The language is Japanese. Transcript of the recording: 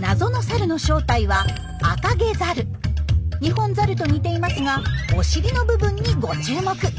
謎のサルの正体はニホンザルと似ていますがお尻の部分にご注目。